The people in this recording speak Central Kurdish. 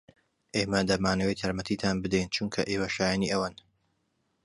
ئێمە دەمانەوێت یارمەتیتان بدەین چونکە ئێوە شایەنی ئەوەن.